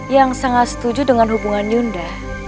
yang sangat setuju dengan hubungan yunda